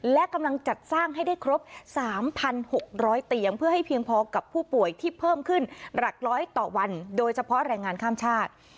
และกำลังจัดสร้างให้ได้ครบ๓๖๐๐เตียงเพื่อให้เพียงพอกับผู้ป่วยที่เพิ่มขึ้นหลักร้อยต่อวันโดยเฉพาะแรงงานข้ามชาติ